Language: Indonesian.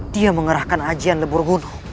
dia mengerahkan ajian lebur wudhu